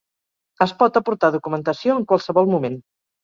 Es pot aportar documentació en qualsevol moment.